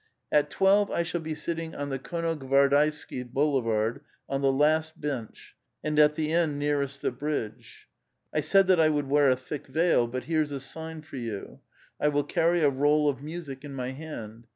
"At twelve I shall be sitting on the Konno Gvardeisky Boulevard, on the last bench, and at the end nearest the bridge. I said that I would wear a thick veil ; but here's a sign for you : I will can y a roll of music in my hand.